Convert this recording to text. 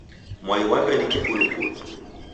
Mwai wape ni kipulupulu.